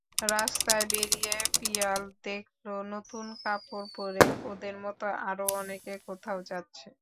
রাস্তায় বেরিয়ে পিয়াল দেখল—নতুন কাপড় পরে ওদের মতো আরও অনেকে কোথাও যাচ্ছে।